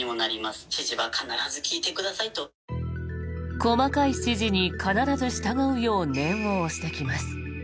細かい指示に必ず従うよう念を押してきます。